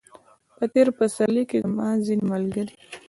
په تېر پسرلي کې زما ځینې ملګري